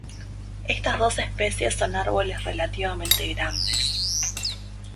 Estas dos especies son árboles relativamente grandes.